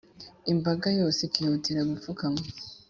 imbaga yose ikihutira gupfukama,